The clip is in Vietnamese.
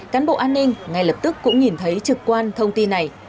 cán bộ an ninh ngay lập tức cũng nhìn thấy trực quan thông tin này